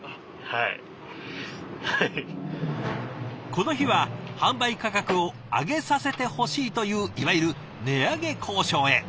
この日は販売価格を上げさせてほしいといういわゆる値上げ交渉へ。